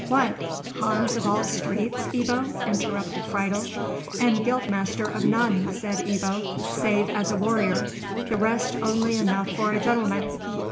"What, Hans of all streets, Ebbo?" interrupted Friedel. "And guildmaster of none," said Ebbo, "save as a warrior; the rest only enough for a gentleman!